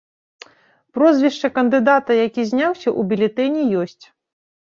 Прозвішча кандыдата, які зняўся, у бюлетэні ёсць.